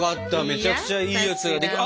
めちゃくちゃいいやつができ。